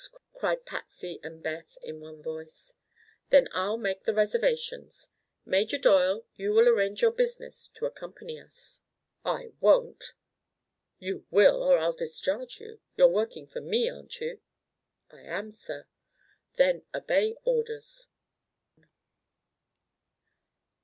cried Patsy and Beth in one voice. "Then I'll make the reservations. Major Doyle, you will arrange your business to accompany us." "I won't!" "You will, or I'll discharge you. You're working for me, aren't you?" "I am, sir." "Then obey orders."